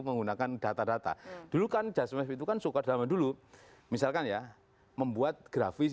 menggunakan data data dulu kan jasmif itu kan suka zaman dulu misalkan ya membuat grafis